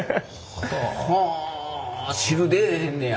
ほう汁出えへんねや。